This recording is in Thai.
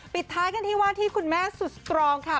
ปิดท้ายกันที่ว่าที่คุณแม่สุดสตรองค่ะ